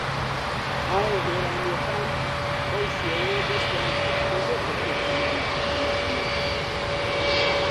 ئایا ئێرانییەکان بەو شێوەیە دەستیان کورت دەبێت لە پێکهێنانی حکوومەتی نوێدا؟